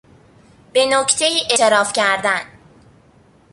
به نکتهای اعتراف کردن